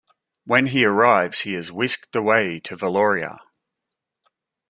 When he arrives he is whisked away to Valoria.